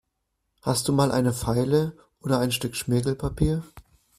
Hast du mal eine Feile oder ein Stück Schmirgelpapier?